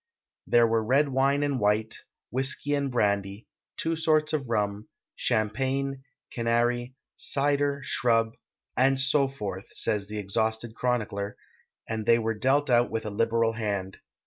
There were red wine and white, wdiisky and brandy, two sorts of rum, champagne, canary, cider, shrub, "and so forth," says the exhausted chronicler, and they were dealt out with a liberal hand.